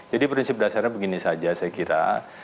jadi prinsip dasarnya begini saja saya kira